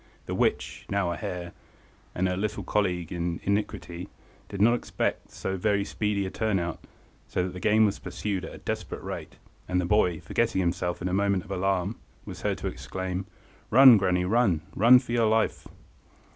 The witch, now a hare, and her little colleague in iniquity, did not expect so very speedy a turn out, so that the game was pursued at a desperate rate, and the boy, forgetting himself in a moment of alarm, was heard to exclaim— "Run, granny, run; run for your life!"